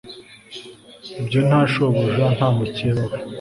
Ibyo nta shobuja nta mukeba we